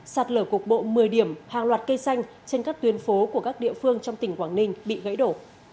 sạt lở cục bộ một mươi điểm hàng loạt cây xanh trên các tuyến phố của các địa phương trong tỉnh quảng ninh bị gãy đổ